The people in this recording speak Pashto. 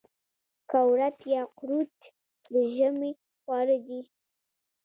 کورت یا قروت د ژمي خواړه دي.